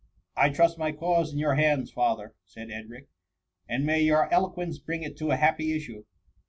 " I trust my cause in your hands, father,^' said Edric and may your eloquence bring it tp a happy issue.''